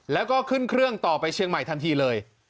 แล้วก็ขึ้นเครื่องต่อไปเชียงใหม่ทันทีเลย